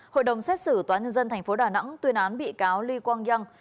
hội đồng xét xử tòa nhân dân tp đà nẵng tuyên án bị cáo lee kwang yong